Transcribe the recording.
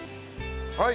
はい。